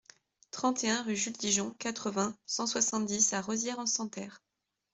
trente et un rue Jules Digeon, quatre-vingts, cent soixante-dix à Rosières-en-Santerre